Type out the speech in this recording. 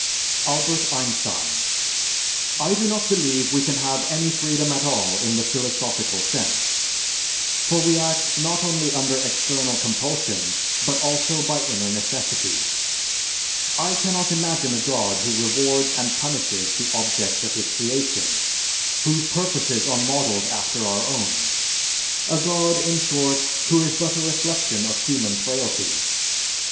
ALBERT EINSTEIN I do not believe we can have any freedom at all in the philosophical sense, for we act not only under external compulsion, but also by inner necessity.... I cannot imagine a God who rewards and punishes the objects of his creation, whose purposes are modelled after our own, a God, in short, who is but a reflection of human frailty.